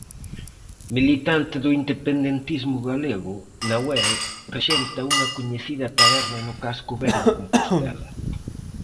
Militante do independentismo galego, 'Nahuel' rexenta unha coñecida taberna no casco vello de Compostela.